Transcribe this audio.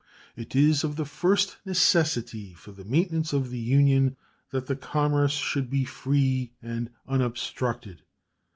It is of the first necessity, for the maintenance of the Union, that that commerce should be free and unobstructed.